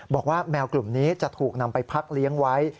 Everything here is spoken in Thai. บอกว่าแมวกลุ่มนี้จะถูกนำไปพักเลี้ยงไว้